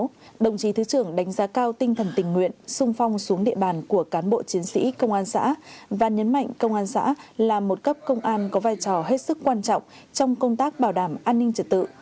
trong đó đồng chí thứ trưởng đánh giá cao tinh thần tình nguyện sung phong xuống địa bàn của cán bộ chiến sĩ công an xã và nhấn mạnh công an xã là một cấp công an có vai trò hết sức quan trọng trong công tác bảo đảm an ninh trật tự